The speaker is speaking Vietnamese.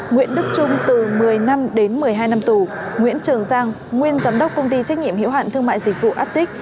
nguyễn đức trung từ một mươi năm đến một mươi hai năm tù nguyễn trường giang nguyên giám đốc công ty trách nhiệm hiểu hạn thương mại dịch vụ attic